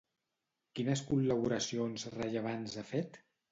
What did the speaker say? Quines col·laboracions rellevants ha fet?